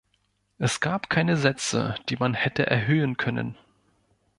Es gab keine Sätze, die man hätte erhöhen können.